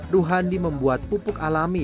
ruhandi membuat pupuk alami